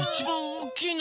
おっきいの！